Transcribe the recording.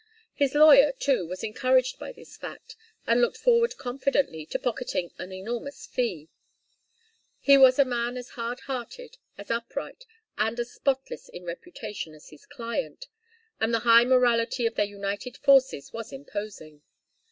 His lawyer, too, was encouraged by this fact; and looked forward confidently to pocketing an enormous fee. He was a man as hard headed, as upright, and as spotless in reputation as his client, and the high morality of their united forces was imposing.